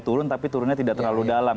turun tapi turunnya tidak terlalu dalam